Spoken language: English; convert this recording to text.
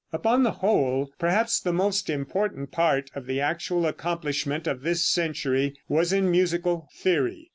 Upon the whole, perhaps the most important part of the actual accomplishment of this century was in musical theory.